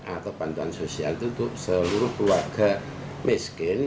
atau pantuan sosial itu untuk seluruh warga miskin